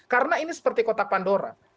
karena ini seperti kotak pandora